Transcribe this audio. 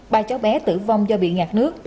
ba cháu bé tử vong do bị ngạt nước